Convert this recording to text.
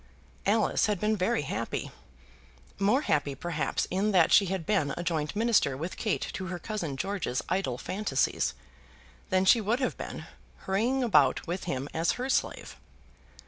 Alice had been very happy, more happy perhaps in that she had been a joint minister with Kate to her cousin George's idle fantasies, than she would have been hurrying about with him as her slave.